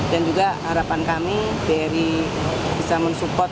dan juga harapan kami dari bisa mensupport